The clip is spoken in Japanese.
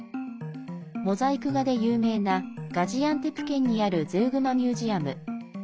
モザイク画で有名なガジアンテプ県にあるゼウグマ・ミュージアム。